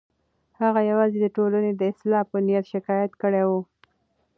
هغې یوازې د ټولنې د اصلاح په نیت شکایت کړی و.